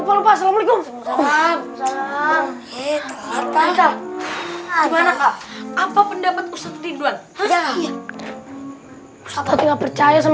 kalau itu mah nggak usah dijelasin ke kita hah